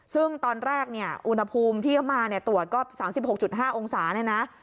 ซึ่งตอนแรกเนี่ยอุณหภูมิที่เขามาตรวจก็๓๖๕องศาเนี่ยนะ